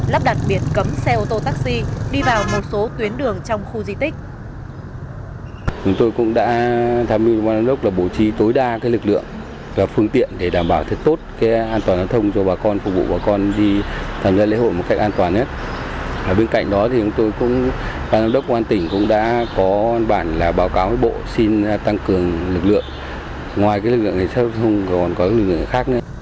lắp đặt biệt cấm xe ô tô taxi đi vào một số tuyến đường trong khu di tích